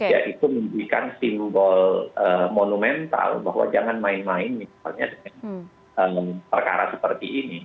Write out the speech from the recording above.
ya itu menunjukkan simbol monumental bahwa jangan main main misalnya dengan perkara seperti ini